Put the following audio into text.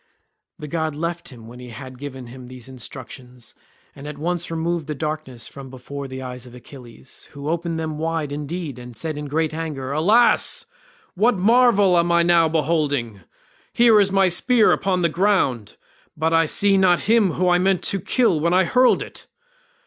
The god left him when he had given him these instructions, and at once removed the darkness from before the eyes of Achilles, who opened them wide indeed and said in great anger, "Alas! what marvel am I now beholding? Here is my spear upon the ground, but I see not him whom I meant to kill when I hurled it.